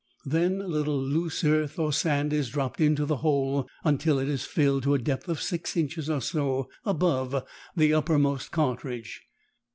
Then a little loose earth or sand is dropped into the hole until it is filled to a depth of six inches or so above the uppermost cartridge.